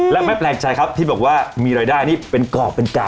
และไม่แปลกใจครับที่บอกว่ามีรายได้นี่เป็นกรอบเป็นกรรม